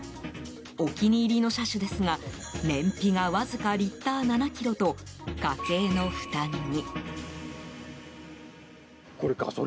お気に入りの車種ですが燃費が、わずかリッター７キロと家計の負担に。